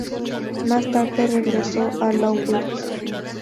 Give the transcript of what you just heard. Más tarde regresó a Lowell.